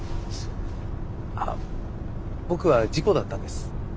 あ僕は事故だったんです。